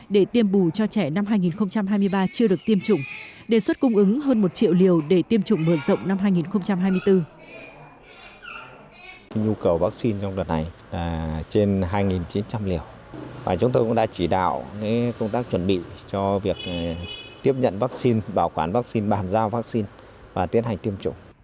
để tiêm bù cho trẻ năm hai nghìn hai mươi ba chưa được tiêm chủng đề xuất cung ứng hơn một triệu liều để tiêm chủng mở rộng năm hai nghìn hai mươi bốn